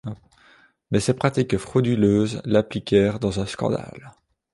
Mais ses pratiques frauduleuses l'impliquèrent dans un scandale.